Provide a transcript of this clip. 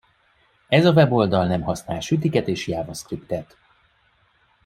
Ez a weboldal nem használ sütiket és JavaScriptet.